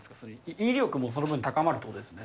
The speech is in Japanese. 威力もその分高まるっていうことですよね。